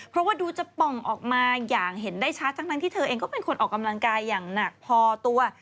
เพราะว่าดูจะป่องออกมาอย่างเห็นได้ชัดทั้งที่เธอเองก็เป็นคนออกกำลังกายอย่างหนักพอตัว